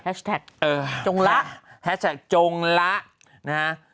แฮชแท็กจงละแฮชแท็กจงละนะฮะ